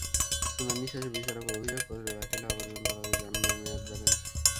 শুনানি শেষে বিচারক অভিযোগপত্র দাখিল হওয়া পর্যন্ত তাঁদের জামিনের মেয়াদ বাড়ান।